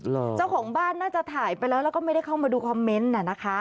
เจ้าของบ้านน่าจะถ่ายไปแล้วแล้วก็ไม่ได้เข้ามาดูคอมเมนต์น่ะนะคะ